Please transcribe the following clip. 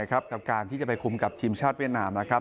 กับการที่จะไปคุมกับทีมชาติเวียดนามนะครับ